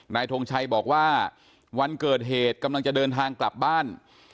ทงชัยบอกว่าวันเกิดเหตุกำลังจะเดินทางกลับบ้าน